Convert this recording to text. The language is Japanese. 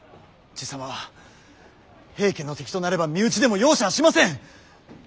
爺様は平家の敵となれば身内でも容赦はしません。